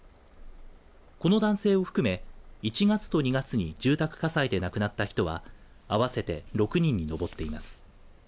この男性を含め１月と２月に住宅火災で亡くなった人は合わせて６人に上っています。